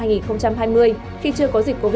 khi chưa có dịch cố gắng